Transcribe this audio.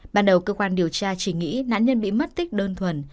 ban đầu cơ quan điều tra chỉ nghĩ nạn nhân bị mất tích đơn thuần